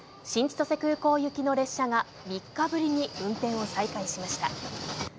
新千歳空港行きの列車が３日ぶりに運転を再開しました。